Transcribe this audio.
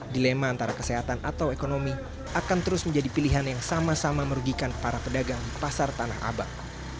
dilema antara kesehatan atau ekonomi akan terus menjadi pilihan yang sama sama merugikan para pedagang di pasar tanah abang